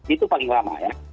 itu paling lama ya